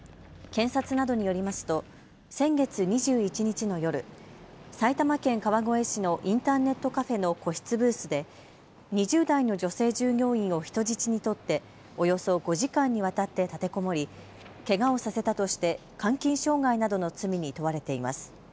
検察などによりますと先月２１日の夜、埼玉県川越市のインターネットカフェの個室ブースで２０代の女性従業員を人質に取っておよそ５時間にわたって立てこもりけがをさせたとして監禁傷害などの罪に問われています。